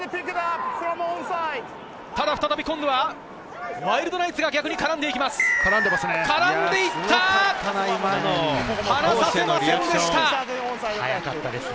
再び、今度はワイルドナイツが逆に絡んでいきます。